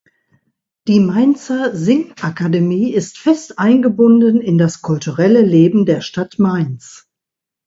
Die Mainzer Singakademie ist fest eingebunden in das kulturelle Leben der Stadt Mainz.